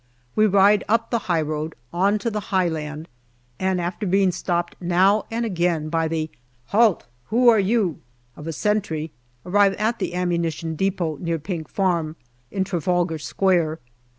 We ride up the high road on to the high land, and after being stopped now and again by the " 'Alt, 'oo are you ?" of a sentry, arrive at the ammunition depot near Pink Farm, in Trafalgar Square.